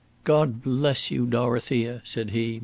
"God bless you, Dorothea!" said he.